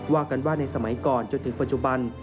ว่ากันว่าในสมัยก่อนจนถึงปัจจุบัน